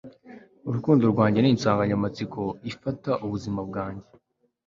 urukundo rwanjye ninsanganyamatsiko ifata ubuzima bwanjye